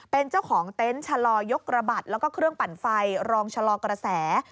เป็นเจ้าของเต็นต์ชะลอยกระบัดแล้วก็เครื่องปั่นไฟรองชะลอกระแส